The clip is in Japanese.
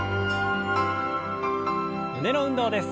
胸の運動です。